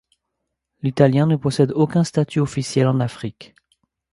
L'italien ne possède aucun statut officiel en Afrique.